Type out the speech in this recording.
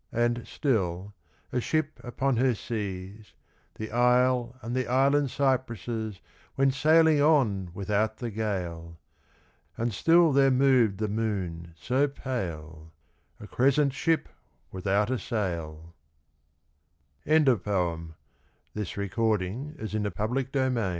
And still, a ship upon her seas. The isle and the island cypresses Went sailing on without the gale : And still there moved the moon so pale, A crescent ship without a sail ' I7S Oak and Olive \ Though I was born a Lo